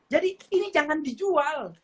jadi ini jangan dijual